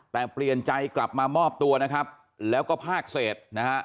แต่เปลี่ยนใจกลับมามอบตัวแล้วก็พากเสร็จ